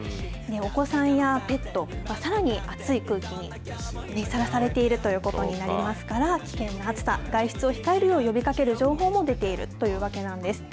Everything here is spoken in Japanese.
お子さんやペット、さらに熱い空気にさらされているということになりますから、危険な暑さ、外出を控えるよう呼びかける情報も出ているというわけなんです。